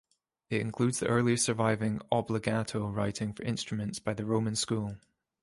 It includes the earliest surviving obbligato writing for instruments by the Roman School.